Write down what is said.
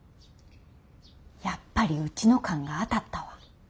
やっぱりウチの勘が当たったわ。